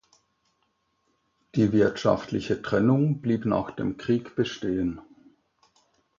Die wirtschaftliche Trennung blieb nach dem Krieg bestehen.